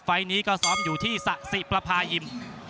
ไฟล์นี้ก็ซ้อมอยู่ที่สะสิประพายิม